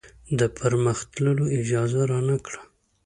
د پر مخ تللو اجازه رانه کړه.